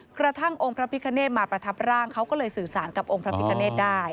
กระทั่งองค์พระพิคเนธมาประทับร่างเขาก็เลยสื่อสารกับองค์พระพิคเนตได้